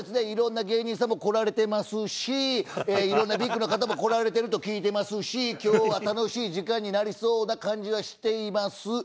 いろんな芸人さんも来られてますしいろんなＶＩＰの方も来られてると聞いてますし今日は楽しい時間になりそうな感じはしています。